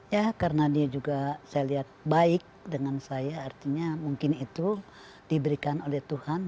ya karena dia juga saya lihat baik dengan saya artinya mungkin itu diberikan oleh tuhan